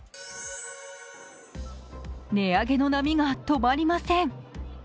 値上げの波が止まりません。